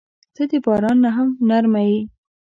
• ته د باران نه هم نرمه یې.